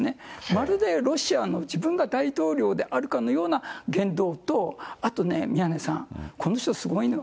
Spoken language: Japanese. まるでロシアの自分が大統領であるかのような言動と、あとね、宮根さん、この人、すごいの。